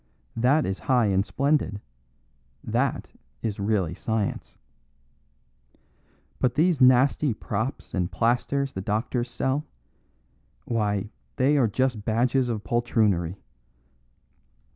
That is high and splendid that is really science. But these nasty props and plasters the doctors sell why, they are just badges of poltroonery.